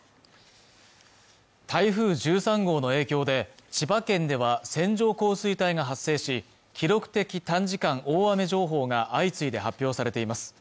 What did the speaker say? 台風１３号の影響で千葉県では線状降水帯が発生し記録的短時間大雨情報が相次いで発表されています